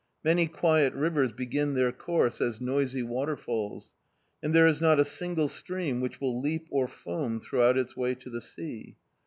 Many quiet rivers begin their course as noisy waterfalls, and there is not a single stream which will leap or foam throughout its way to the sea.